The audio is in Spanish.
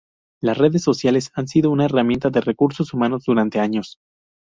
Las redes sociales han sido una herramienta de recursos humanos durante años.